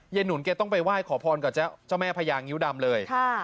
หนุนแกต้องไปไหว้ขอพรกับเจ้าแม่พญางิ้วดำเลย